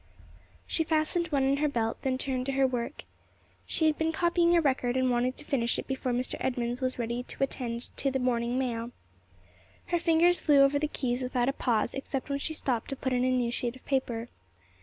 She fastened one in her belt, then turned to her work. She had been copying a record, and wanted to finish it before Mr. Edmunds was ready to attend to the morning mail. Her fingers flew over the keys without a pause, except when she stopped to put in a new sheet of paper.